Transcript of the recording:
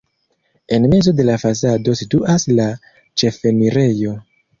En mezo de la fasado situas la ĉefenirejo.